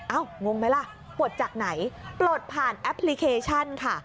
งงไหมล่ะปลดจากไหนปลดผ่านแอปพลิเคชันค่ะ